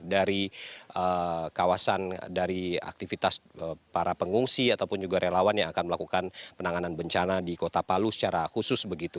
jadi kawasan dari aktivitas para pengungsi ataupun juga relawan yang akan melakukan penanganan bencana di kota palu secara khusus begitu